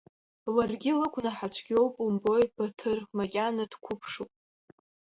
Ларгьы лыгәнаҳа цәгьоуп умбои, Баҭыр, макьана дқәыԥшуп.